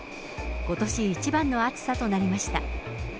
ことし一番の暑さとなりました。